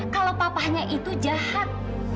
kalau papahnya itu jahat